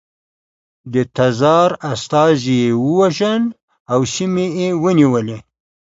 د تزار استازي یې ووژل او سیمې یې ونیولې.